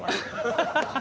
ハハハハ。